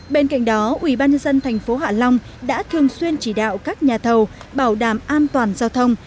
bên cạnh đó ủy ban nhân dân thành phố hạ long đã thường xuyên chỉ đạo các nhà thầu bảo đảm an toàn giao thông